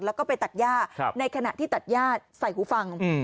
แล้วก็ไปตัดย่าในขณะที่ตัดย่าใส่หูฟัง